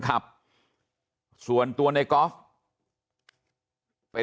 ครับคุณสาวทราบไหมครับ